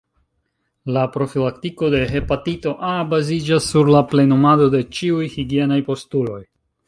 La profilaktiko de hepatito A baziĝas sur la plenumado de ĉiuj higienaj postuloj.